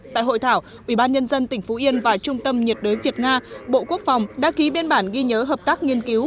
tại hội thảo ủy ban nhân dân tỉnh phú yên và trung tâm nhiệt đới việt nga bộ quốc phòng đã ký biên bản ghi nhớ hợp tác nghiên cứu